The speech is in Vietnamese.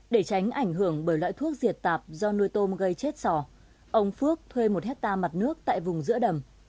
để tránh ảnh hưởng bởi loại thuốc diệt tạp do nuôi tôm gây chết sò ông phước thuê một hectare mặt nước tại vùng giữa đầm